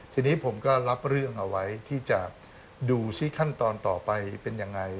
ทีนี้ผมก็รับเรื่องเอาไว้ที่จะดูซิขั้นตอนต่อไปเป็นยังไง